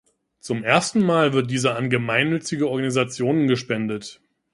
Zum ersten Mal wird dieser an gemeinnützige Organisationen gespendet.